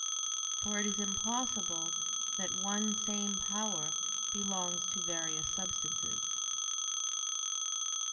For it is impossible that one same power belong to various substances.